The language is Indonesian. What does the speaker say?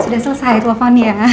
sudah selesai telepon ya